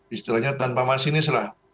istilahnya tanpa masinis lah